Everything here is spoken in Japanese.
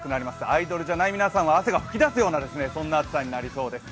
アイドルじゃない皆さんは汗が噴き出すような、そんな暑さになりそうです。